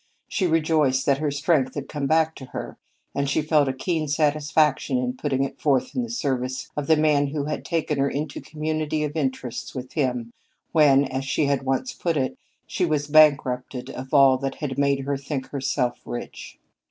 She rejoiced that her strength had come back to her, and she felt a keen satisfaction in putting it forth in service of the man who had taken her into community of interest with him when, as he had once put it, she was bankrupted of all that had made her think herself rich.